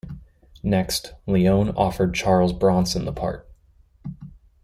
Next, Leone offered Charles Bronson the part.